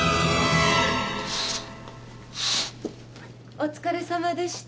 お疲れさまでした。